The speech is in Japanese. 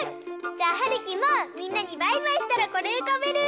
じゃあはるきもみんなにバイバイしたらこれうかべる！